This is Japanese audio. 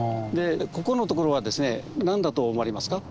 ここのところはですね何だと思われますか？